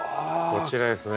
こちらですね。